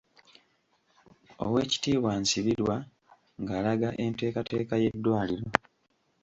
Owekitiibwa Nsibirwa ng'alaga enteekateeka y'eddwaliro.